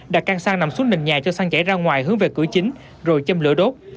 đặt can xăng nằm xuống nền nhà cho xăng chảy ra ngoài hướng về cửa chính rồi châm lửa đốt